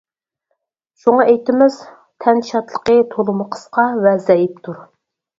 شۇڭا ئېيتىمىز، تەن شادلىقى تولىمۇ قىسقا ۋە زەئىپتۇر.